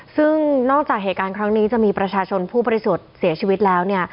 ซึ่งนอกจากเหตุการณ์ครั้งนี้จะมีประชาชนผู้บริสุทธิ์เสียชีวิตแล้วเนี่ย